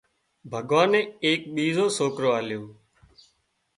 ڀڳوانئي ايڪ ٻيزو سوڪرو آليو